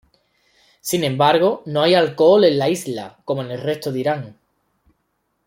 Sin embargo, no hay alcohol en la isla, como en el resto de Irán.